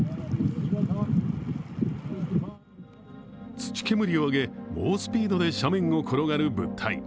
土煙を上げ、猛スピードで斜面を転がる物体。